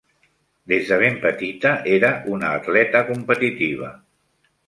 Des de ben petita era una atleta competitiva.